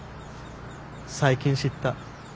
最近知った。